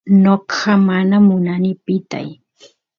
noqa mana munani pitay